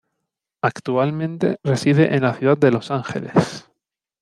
Actualmente reside en la ciudad de Los Angeles.